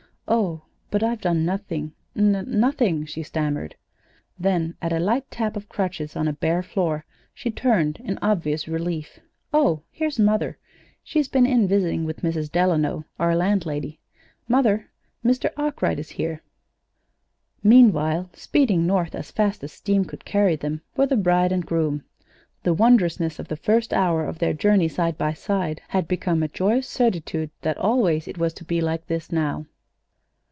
"Oh, but I've done nothing n nothing," she stammered. Then, at the light tap of crutches on a bare floor she turned in obvious relief. "Oh, here's mother. She's been in visiting with Mrs. Delano, our landlady. Mother, Mr. Arkwright is here." Meanwhile, speeding north as fast as steam could carry them, were the bride and groom. The wondrousness of the first hour of their journey side by side had become a joyous certitude that always it was to be like this now.